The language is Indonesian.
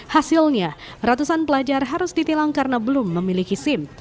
hasilnya ratusan pelajar harus ditilang karena belum memiliki sim